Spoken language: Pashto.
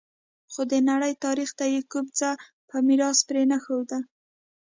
خو د نړۍ تاریخ ته یې کوم څه په میراث پرې نه ښودل